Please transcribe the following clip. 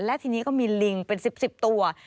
และทีนี้ก็มีลิงเป็น๑๐ตัว